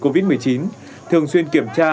covid một mươi chín thường xuyên kiểm tra